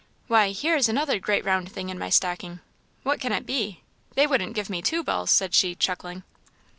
Why, here is another great round thing in my stocking! what can it be? they wouldn't give me two balls," said she, chuckling.